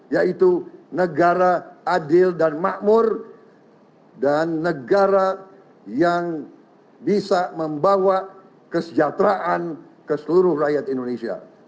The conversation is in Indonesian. yaitu negara adil dan makmur dan negara yang bisa membawa kesejahteraan ke seluruh rakyat indonesia